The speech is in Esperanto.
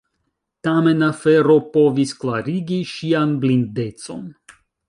Tamen afero povis klarigi ŝian blindecon.